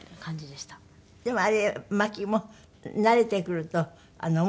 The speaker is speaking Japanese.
でもあれまきも慣れてくると面白いですよね。